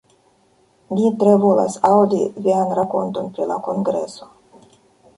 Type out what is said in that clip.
Ni tre volas aŭdi vian rakonton pri la kongreso.